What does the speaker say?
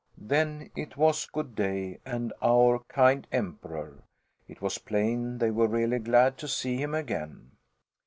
Then it was "good day" and "our kind Emperor." It was plain they were really glad to see him again.